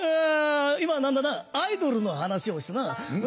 今何だなアイドルの話をしたな。